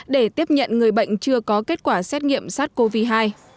để tiếp nhận người bệnh chưa có kết quả xét nghiệm sát covid một mươi chín